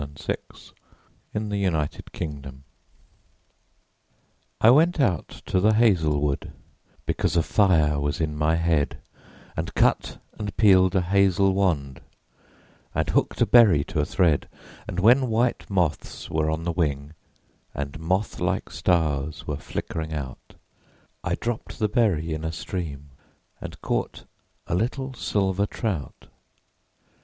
THE SONG OF WANDERING AENGUS I WENT out to the hazel wood, Because a fire was in my head, And cut and peeled a hazel wand, And hooked a berry to a thread; And when white moths were on the wing, And moth like stars were flickering out, I dropped the berry in a stream And caught a little silver trout.